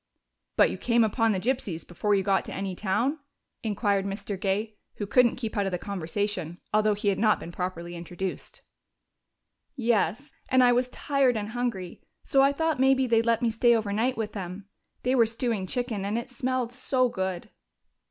"But you came upon the gypsies before you got to any town?" inquired Mr. Gay, who couldn't keep out of the conversation, although he had not been properly introduced. "Yes. And I was tired and hungry, so I thought maybe they'd let me stay overnight with them. They were stewing chicken, and it smelled so good."